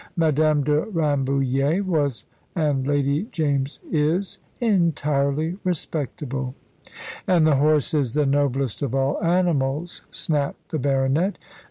"Madame de Rambouillet was, and Lady James is, entirely respectable." "And the horse is the noblest of all animals," snapped the baronet.